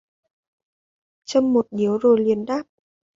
Châm một điếu rồi liền đáp